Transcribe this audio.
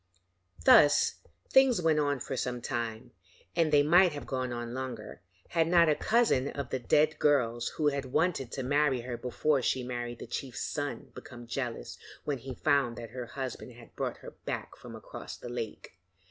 Thus things went on for some time, and they might have gone on longer, had not a cousin of the dead girl's who had wanted to marry her before she married the chief's son become jealous when he found that her husband had brought her back from across the lake.